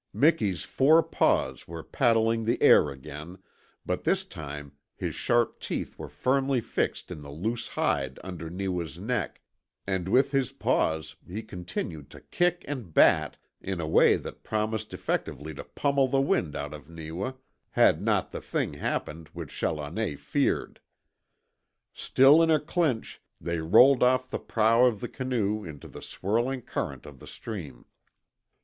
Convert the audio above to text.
Miki's four paws were paddling the air again, but this time his sharp teeth were firmly fixed in the loose hide under Neewa's neck, and with his paws he continued to kick and bat in a way that promised effectively to pummel the wind out of Neewa had not the thing happened which Challoner feared. Still in a clinch they rolled off the prow of the canoe into the swirling current of the stream.